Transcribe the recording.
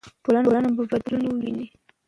ټولنه به بدلون وویني.